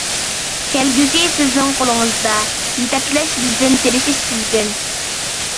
كەلگۈسى سىزنىڭ قولىڭىزدا، يېتەكلەش بىزدىن تىرىشىش سىزدىن!